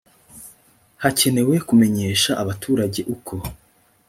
hakenewe kumenyesha abaturage uko